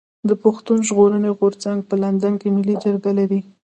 پښتون ژغورني غورځنګ په لندن کي ملي جرګه لري.